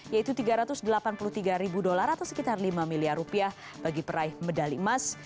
yaitu tiga ratus delapan puluh tiga ribu dolar atau sekitar lima miliar rupiah bagi peraih medali emas